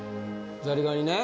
ザリガニね